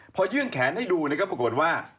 พอยื้องแขนให้ดูปรากฏว่า